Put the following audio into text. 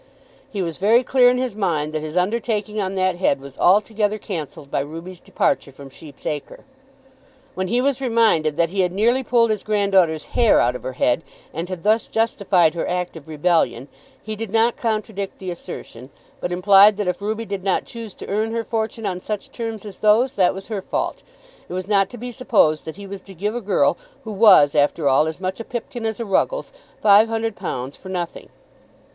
He was very clear in his mind that his undertaking on that head was altogether cancelled by Ruby's departure from Sheep's Acre. When he was reminded that he had nearly pulled his granddaughter's hair out of her head, and had thus justified her act of rebellion, he did not contradict the assertion, but implied that if Ruby did not choose to earn her fortune on such terms as those, that was her fault. It was not to be supposed that he was to give a girl, who was after all as much a Pipkin as a Ruggles, five hundred pounds for nothing.